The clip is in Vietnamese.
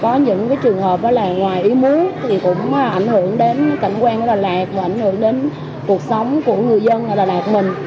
có những trường hợp ngoài ý muốn thì cũng ảnh hưởng đến cảnh quan của đà lạt ảnh hưởng đến cuộc sống của người dân đà lạt mình